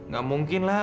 gak mungkin lah